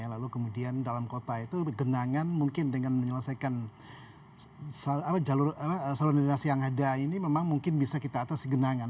lalu kemudian dalam kota itu genangan mungkin dengan menyelesaikan saluran dinas yang ada ini memang mungkin bisa kita atasi genangan